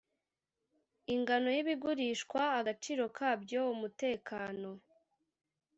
ingano y ibigurishwa agaciro kabyo umutekano